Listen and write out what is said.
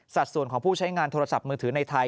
ส่วนของผู้ใช้งานโทรศัพท์มือถือในไทย